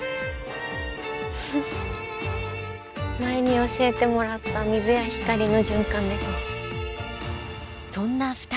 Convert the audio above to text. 前に教えてもらった水や光の循環ですね。